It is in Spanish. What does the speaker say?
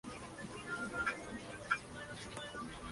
En la esquina superior izquierda aparece la bandera de Tanzania.